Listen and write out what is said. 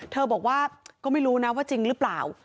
บอกว่าก็ไม่รู้นะว่าจริงหรือเปล่า